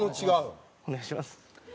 お願いします。